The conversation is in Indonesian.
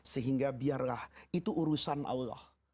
sehingga biarlah itu urusan allah